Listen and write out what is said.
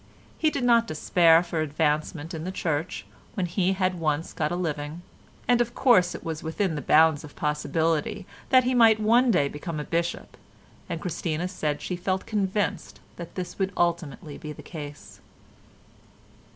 He did not despair of advancement in the Church when he had once got a living, and of course it was within the bounds of possibility that he might one day become a Bishop, and Christina said she felt convinced that this would ultimately be the case.